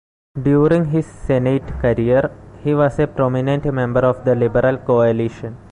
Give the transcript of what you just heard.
During his Senate career, he was a prominent member of the liberal coalition.